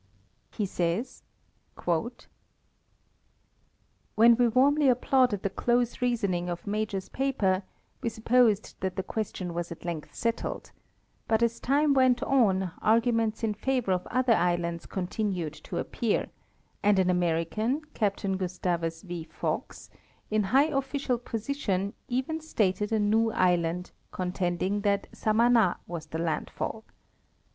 He says: When we warmly applauded the close reasoning of Major's paper we supposed that the question was at length settled; but as time went on arguments in favor of other islands continued to appear, and an Ameri can* in high official position even started a new island, contending that Samana was the landfall.